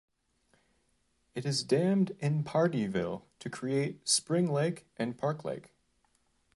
It is dammed in Pardeeville to create Spring Lake and Park Lake.